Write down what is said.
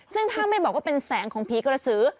ซึ่งถ้าไม่บอกว่าเป็นแสงของผีกระสือ